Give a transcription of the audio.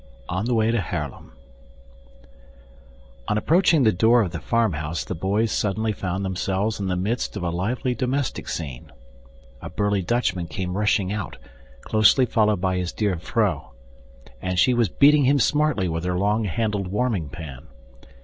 On the Way to Haarlem On approaching the door of the farmhouse the boys suddenly found themselves in the midst of a lively domestic scene. A burly Dutchman came rushing out, closely followed by his dear vrouw, and she was beating him smartly with her long handled warming pan.